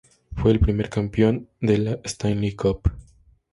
Fue el primer campeón de la Stanley Cup.